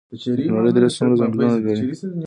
د کونړ درې څومره ځنګلونه لري؟